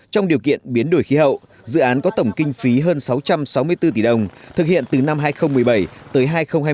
trong điều kiện biến đổi khí hậu dự án có tổng kinh phí hơn sáu trăm sáu mươi bốn tỷ đồng thực hiện từ năm hai nghìn một mươi bảy tới hai nghìn hai mươi